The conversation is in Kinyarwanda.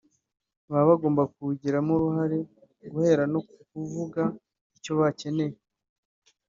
baba bagomba kuwugiramo uruhare guhera no ku kuvuga icyo bakeneye